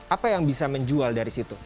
apa yang bisa menjual dari situ